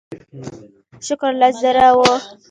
موږ د لویې ویالې له خوا را تاو شوو.